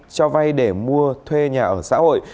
cho vai để mua thuê nhà ở xã hội